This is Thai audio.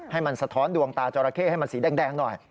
ให้มันสะท้อนดวงตาจอราเข้ให้มันสีแดงหน่อย